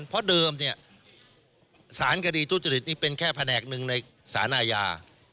เพราะเดิมเนี่ยสารคดีทุจริตนี่เป็นแค่แผนกหนึ่งในสารอาญา